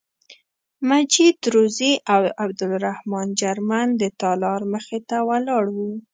مجید روزي او عبدالرحمن جرمن د تالار مخې ته ولاړ وو.